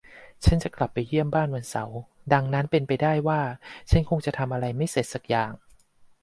ฉันจะกลับไปเยี่ยมบ้านวันเสาร์ ดังนั้นเป็นไปได้ว่า ฉันคงจะทำอะไรไม่เสร็จสักอย่าง